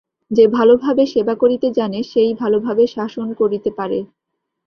যে ভালভাবে সেবা করিতে জানে, সে-ই ভালভাবে শাসন করিতে পারে।